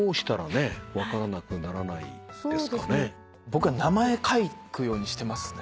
僕は名前書くようにしてますね。